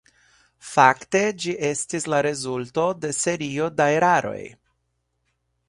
Fakte ĝi estis la rezulto de serio da eraroj.